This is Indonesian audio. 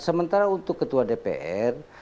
sementara untuk ketua dpr